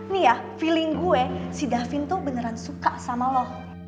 nih ya feeling gue si davin tuh beneran suka sama lo